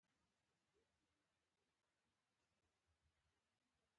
د ملک د میرمنې شمشو چایبر په تنور کې ایښی و.